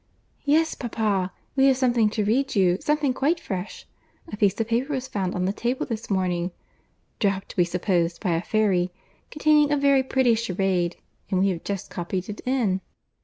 "Yes, papa; we have something to read you, something quite fresh. A piece of paper was found on the table this morning—(dropt, we suppose, by a fairy)—containing a very pretty charade, and we have just copied it in."